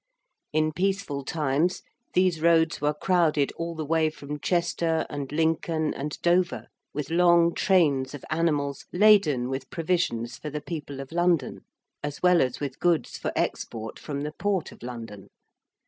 In peaceful times these roads were crowded all the way from Chester and Lincoln and Dover with long trains of animals laden with provisions for the people of London, as well as with goods for export from the Port of London.